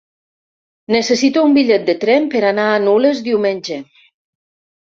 Necessito un bitllet de tren per anar a Nulles diumenge.